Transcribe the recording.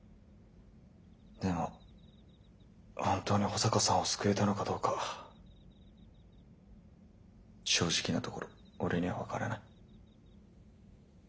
でも本当に保坂さんを救えたのかどうか正直なところ俺には分からない。